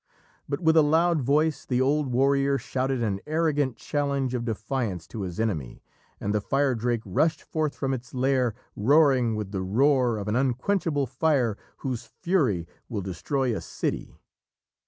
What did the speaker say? But with a loud voice the old warrior shouted an arrogant challenge of defiance to his enemy, and the Firedrake rushed forth from its lair, roaring with the roar of an unquenchable fire whose fury will destroy a city.